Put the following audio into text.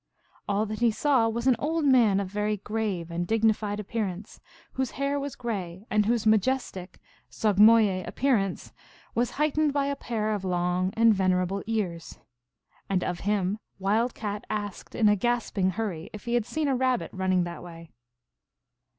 All that he saw was an old man of very grave and dignified appearance, whose hair was gray, and whose majestic (sogmoye) appearance was heightened by a pair of long and venerable ears. And of him Wild Cat asked in a gasping hurry if he had seen a Rabbit running that way.